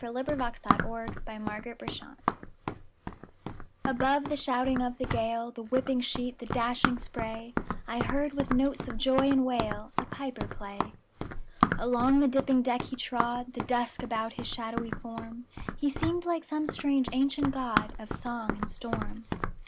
Clinton Scollard Bag Pipes at Sea ABOVE the shouting of the gale, The whipping sheet, the dashing spray,I heard, with notes of joy and wail,A piper play. Along the dipping deck he trod, The dusk about his shadowy form; He seemed like some strange ancient godOf song and storm.